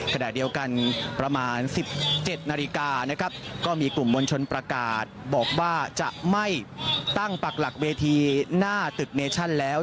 ขณะเดียวกันประมาณ๑๗นาฬิกานะครับก็มีกลุ่มมวลชนประกาศบอกว่าจะไม่ตั้งปักหลักเวทีหน้าตึกเมชั่นแล้ว